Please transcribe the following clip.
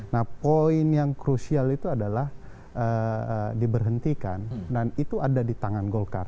nah poin yang krusial itu adalah diberhentikan dan itu ada di tangan golkar